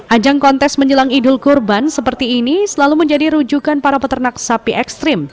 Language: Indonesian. ajang kontes menjelang idul kurban seperti ini selalu menjadi rujukan para peternak sapi ekstrim